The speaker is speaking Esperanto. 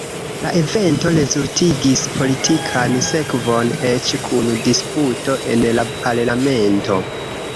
La evento rezultigis politikan sekvon eĉ kun disputo en la Parlamento.